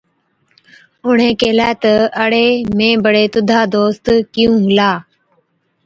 اُڻهين ڪيهلَي تہ، ’اَڙي مين بڙي تُڌا دوست ڪِيُون هُلا؟‘